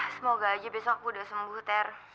semoga aja besok aku udah sembuh ter